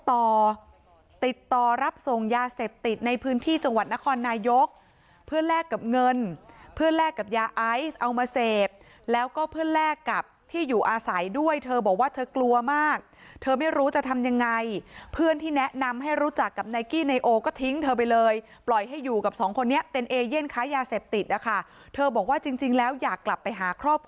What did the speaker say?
ติดต่อติดต่อรับส่งยาเสพติดในพื้นที่จังหวัดนครนายกเพื่อแลกกับเงินเพื่อแลกกับยาไอซ์เอามาเสพแล้วก็เพื่อแลกกับที่อยู่อาศัยด้วยเธอบอกว่าเธอกลัวมากเธอไม่รู้จะทำยังไงเพื่อนที่แนะนำให้รู้จักกับนายกี้นายโอก็ทิ้งเธอไปเลยปล่อยให้อยู่กับสองคนนี้เป็นเอเย่นค้ายาเสพติดนะคะเธอบอกว่าจริงแล้วอยากกลับไปหาครอบครัว